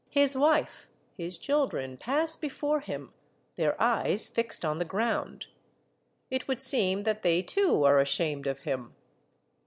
His wife, his children, pass before him, their eyes fixed on the ground. It would seem that they too are ashamed of him